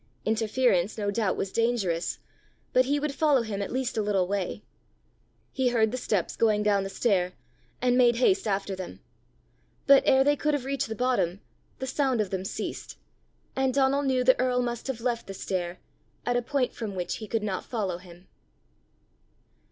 Interference no doubt was dangerous, but he would follow him at least a little way! He heard the steps going down the stair, and made haste after them. But ere they could have reached the bottom, the sound of them ceased; and Donal knew the earl must have left the stair at a point from which he could not follow him.